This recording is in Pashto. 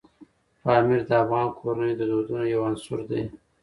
پامیر د افغان کورنیو د دودونو یو عنصر دی.